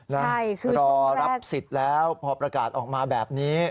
ใช่ค่ะรอรับสิทธิ์แล้วพอประกาศออกมาแบบนี้